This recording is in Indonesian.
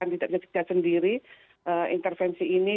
tidak bisa kerja sendiri intervensi ini